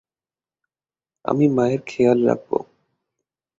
আমি মায়ের খেয়াল রাখব।